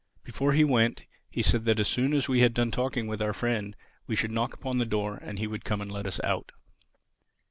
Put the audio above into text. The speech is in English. Before he went, he said that as soon as we had done talking with our friend we should knock upon the door and he would come and let us out.